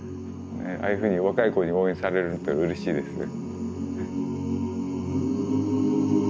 ああいうふうに若い子に応援されるっていうのはうれしいですね。